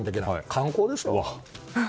観光でしょうね。